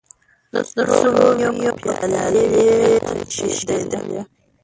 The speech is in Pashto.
د سرو میو به پیالې وې تشېدلې